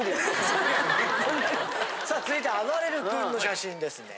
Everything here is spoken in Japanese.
さあ続いてはあばれる君の写真ですね。